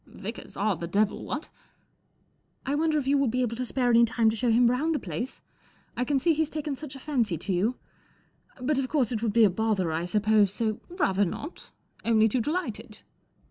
M Vicars are the devil, what ?"" I wonder if you will be able to spare any time to show him round the place ? I can see he's taken such a fancy to you. But, of course, it would be a bother, I suppose, so "' Rather not. Only too delighted."